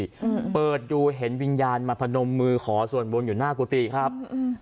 อืมเปิดดูเห็นวิญญาณมาพนมมือขอส่วนบนอยู่หน้ากุฏิครับอืม